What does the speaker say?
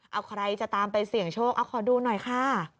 เอาใครจะตามไปเสี่ยงโชคเอาขอดูหน่อยค่ะ